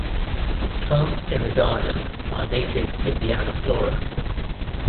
Plants in the garden are native Indiana flora.